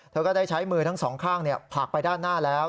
ก็ได้ใช้มือทั้งสองข้างผลักไปด้านหน้าแล้ว